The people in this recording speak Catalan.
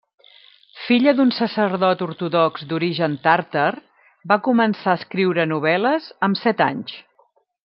Filla d'un sacerdot ortodox d'origen tàrtar, va començar a escriure novel·les amb set anys.